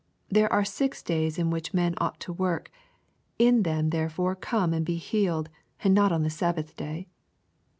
There are six days in which men ought to work : in them therefore come and be healed, and not on the sabbath day.